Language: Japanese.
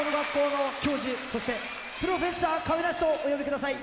そして「プロフェッサー亀梨」とお呼びください。